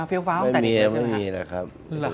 ไม่มีนะครับ